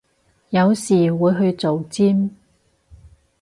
有時會去做尖